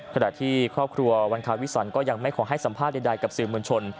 ขณะที่ครอบครัววันคาวิสันก็ยังไม่ขอให้สัมภาษณ์ใดกับสื่อมวลชน